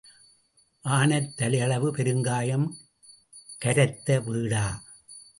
ஆனைத் தலையளவு பெருங்காயம் கரைத்த வீடா?